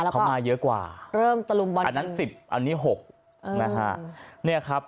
เขามาเยอะกว่าเริ่มตะลุมบอลอันนั้นสิบอันนี้๖นะฮะเนี่ยครับ